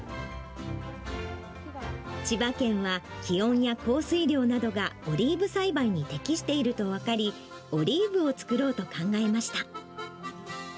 千葉県は、気温や降水量などがオリーブ栽培に適していると分かり、オリーブを作ろうと考えました。